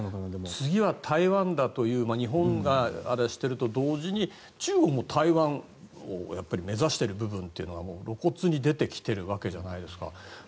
次は台湾だという日本が危惧していると当時に中国も台湾を目指している部分が露骨に出てきているわけじゃないですか。